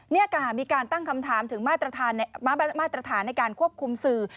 นี่ค่ะมีการตั้งคำถามถึงมาตรฐานในการควบคุมสื่อ